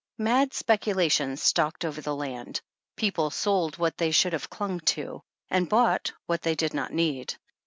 Mad speculation stalked over the land. People sold what they should have clung to, and bought what they did not need.